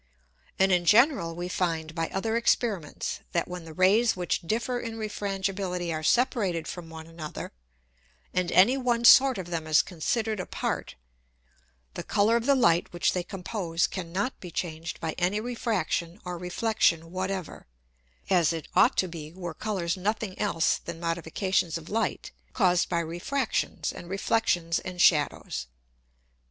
And in general we find by other Experiments, that when the Rays which differ in Refrangibility are separated from one another, and any one Sort of them is considered apart, the Colour of the Light which they compose cannot be changed by any Refraction or Reflexion whatever, as it ought to be were Colours nothing else than Modifications of Light caused by Refractions, and Reflexions, and Shadows.